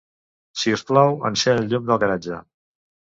Si us plau, encén el llum del garatge.